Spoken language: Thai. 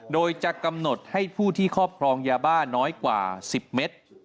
โดยจะกำหนดให้ผู้ที่ครอบครองยาบ้าน้อยกว่า๑๐เมตร